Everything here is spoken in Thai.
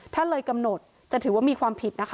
ถ้าเลยกำหนดจะถือว่ามีความผิดนะคะ